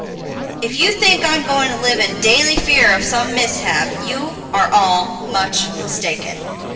If you think I'm going to live in daily fear of some mishap, you are all much mistaken.